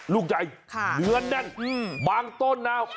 ลูกใยเหนือนแน่นบางต้นนาว